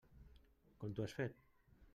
Com t'ho has fet?